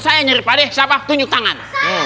saya nyeri padeh siapa tunjuk tangan